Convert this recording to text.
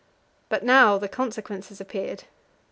But now the consequences appeared.